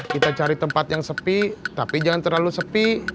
kita cari tempat yang sepi tapi jangan terlalu sepi